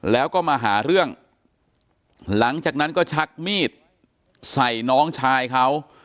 แล้วก็มาหาเรื่องหลังจากนั้นก็ชักมีดใส่น้องชายเขา